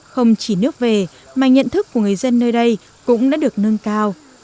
không chỉ nước về mà nhận thức của người dân nơi đây cũng đã được nâng cao